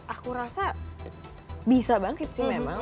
aku rasa bisa bangkit sih memang